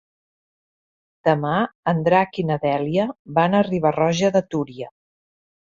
Demà en Drac i na Dèlia van a Riba-roja de Túria.